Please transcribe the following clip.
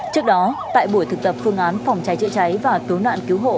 trước đó tại buổi thực tập phương án phòng cháy chữa cháy và cứu nạn cứu hộ